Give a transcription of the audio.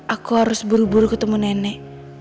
aku harus buru buru ketemu nenek